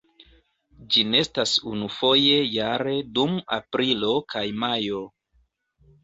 Ĝi nestas unufoje jare dum aprilo kaj majo.